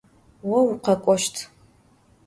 Vo vukhek'oşt.